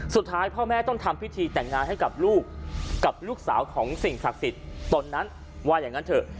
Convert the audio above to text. สุดท้ายพ่อแม่ต้องทำพิธีแต่งงานให้กับลูกกับลูกสาวของสิ่งศักดิ์สิทธิ์ตนนั้นว่าอย่างนั้นเถอะ